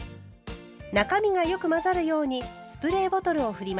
中身がよく混ざるようにスプレーボトルを振ります。